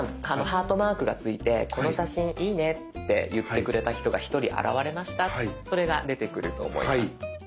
ハートマークがついてこの写真いいねって言ってくれた人が１人現れましたってそれが出てくると思います。